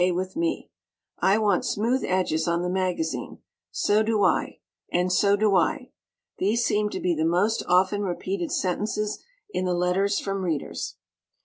K. with me," "I want smooth edges on the magazine," "So do I," "And so do I!" these seem to be the most often repeated sentences in the letters from Readers.